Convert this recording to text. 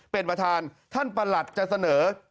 เป็นประธานท่านประหลัดจะเสนอ